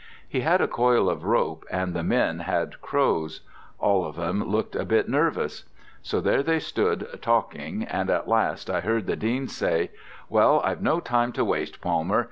He had a coil of rope and the men had crows. All of 'em looked a bit nervous. So there they stood talking, and at last I heard the Dean say, 'Well, I've no time to waste, Palmer.